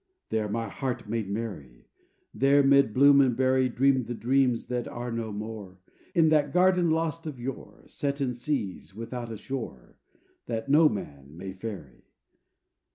There my heart made merry; There, 'mid bloom and berry, Dreamed the dreams that are no more, In that garden lost of yore, Set in seas, without a shore, That no man may ferry.